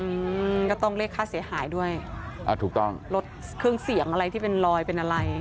อืมก็ต้องเรียกค่าเสียหายด้วยอ่าถูกต้องรถเครื่องเสียงอะไรที่เป็นรอยเป็นอะไร